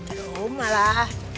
ke rumah lah